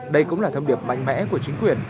đây cũng là thông điệp mạnh mẽ của chính quyền